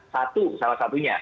satu salah satunya